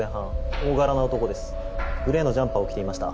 大柄な男ですグレーのジャンパーを着ていました